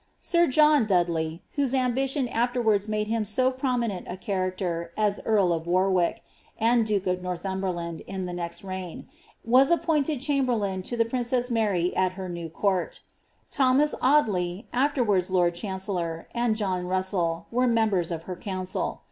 Sir John Dudley — whose ambitioa afterwards made him so prominent a character as earl of Warwick, ind duke of Northumberland, in the next reign — was appointed cha^lbe^ lain to the princess Mar\' at her new court Thomas Audley, afterwarvis lord rhanceilor, and John Russell, were members of her council.